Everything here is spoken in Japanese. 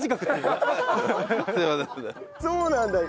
そうなんだ。